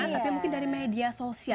tapi mungkin dari media sosial